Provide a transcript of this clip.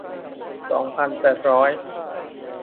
สองพันแปดร้อย